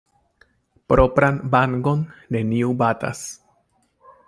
Propran vangon neniu batas.